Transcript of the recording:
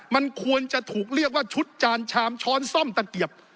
มันควรจะถูกเรียกว่าชุดจานชามช้อนซ่อมตะเกียบ